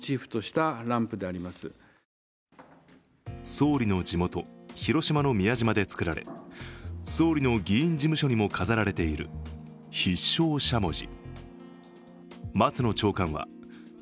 総理の地元・広島の宮島で作られ総理の議員事務所にも飾られている必勝しゃもじ。